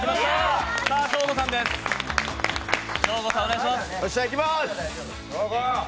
いきます！